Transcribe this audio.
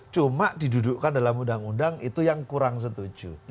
cuma didudukkan dalam undang undang itu yang kurang setuju